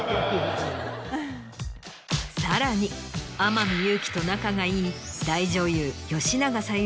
さらに天海祐希と仲がいい。